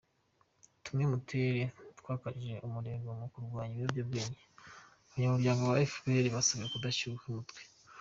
Tumwe mu turere twakajije umurego mu kurwanya ibiyobyabwenge Abanyamuryango ba Efuperi basabwe kudashyuha imitwe